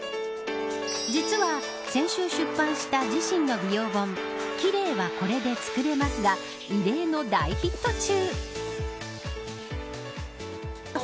実は、先週出版した自身の美容本キレイはこれでつくれますが異例の大ヒット中。